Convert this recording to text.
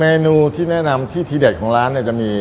เมนูที่แนะนำที่ทีเด็ดของร้านเนี่ยจะมี